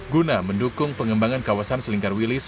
guna mendukung pengembangan kawasan selingkar wilis